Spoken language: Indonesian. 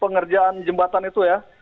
pengerjaan jembatan itu ya